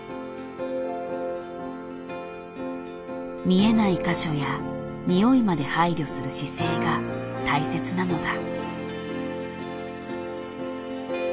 見えない箇所やにおいまで配慮する姿勢が大切なのだ。